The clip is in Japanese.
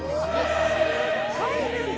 入るんだ。